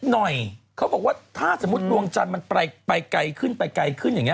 น้อยเขาบอกว่าถ้าสมมติดวงจันทร์มันไปไกลขึ้นอย่างนี้